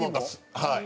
はい。